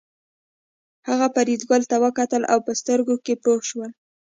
هغه فریدګل ته وکتل او په سترګو کې پوه شول